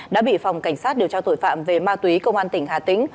đã bị phòng cảnh sát điều tra tội phạm về ma túy công an tỉnh hà tĩnh